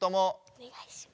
おねがいします。